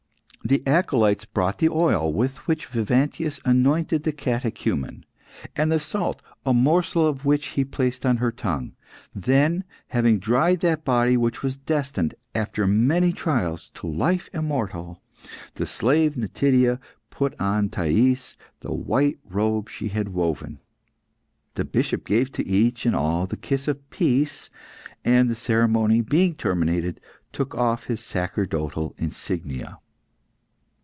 The acolytes brought the oil, with which Vivantius anointed the catechumen, and the salt, a morsel of which he placed on her tongue. Then, having dried that body which was destined, after many trials, to life immortal, the slave Nitida put on Thais the white robe she had woven. The Bishop gave to each and all the kiss of peace, and, the ceremony being terminated, took off his sacerdotal insignia.